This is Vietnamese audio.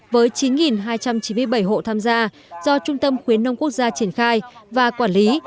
với chín hai trăm chín mươi bảy hộ tham gia do trung tâm khuyến nông quốc gia triển khai và quản lý